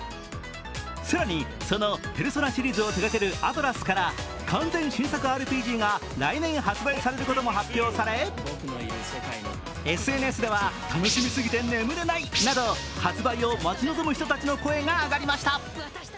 更にその「ペルソナ」シリーズを手がけるアトラスから完全新作ＲＰＧが来年発売されることも発表され、ＳＮＳでは発売を待ち望む人たちの声が上がりました。